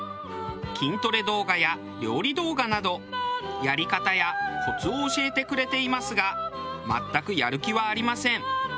筋トレ動画や料理動画などやり方やコツを教えてくれていますが全くやる気はありません。